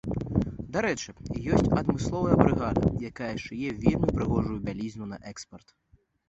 Дарэчы, ёсць адмысловая брыгада, якая шые вельмі прыгожую бялізну на экспарт.